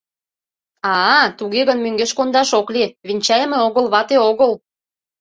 — А-а, туге гын, мӧҥгеш кондаш ок лий: венчайыме огыл — вате огыл.